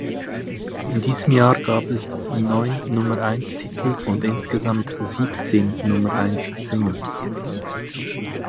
In diesem Jahr gab es neun Nummer-eins-Titel und insgesamt siebzehn Nummer-eins-Singles.